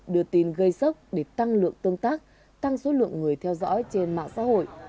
đưa tin gây sốc để tăng lượng tương tác tăng số lượng người theo dõi trên mạng xã hội